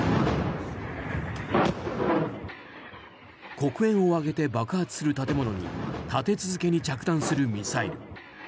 黒煙を上げて爆発する建物に立て続けに着弾するミサイル。